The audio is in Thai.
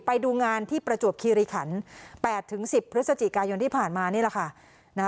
ไปดูงานที่ประจวบขีรีขันห์แปดถึงสิบพฤศจิกายนที่ผ่านมานี่แหละค่ะ